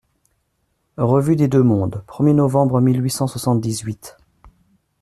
REVUE DES DEUX-MONDES, premier novembre mille huit cent soixante-dix-huit.